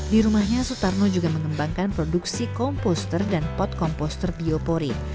di rumahnya sutarno juga mengembangkan produksi komposter dan pot komposter biopori